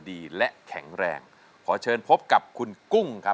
เปลี่ยนเพลงเพลงเก่งของคุณและข้ามผิดได้๑คำ